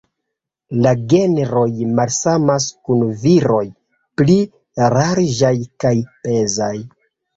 La genroj malsamas kun viroj pli larĝaj kaj pezaj.